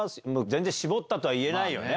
全然絞ったとは言えないよね